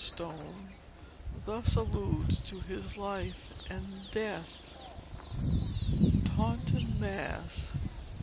Stone thus alludes to his life and death: TAUNTON, MASS.